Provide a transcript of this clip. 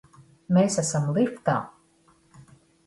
Mēs esam liftā!